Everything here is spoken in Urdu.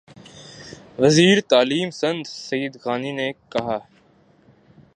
وزیر تعلیم سندھ سعید غنی نےکہا